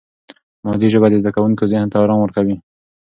مادي ژبه د زده کوونکي ذهن ته آرام ورکوي.